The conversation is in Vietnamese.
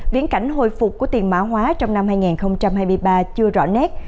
viễn cảnh hồi phục của tiền mã hóa trong năm hai nghìn hai mươi ba chưa rõ nét